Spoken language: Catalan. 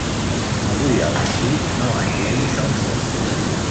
Avui al matí no engeguis el forn.